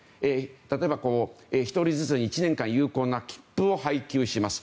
例えば、１人ずつ１年間有効な切符を配給します。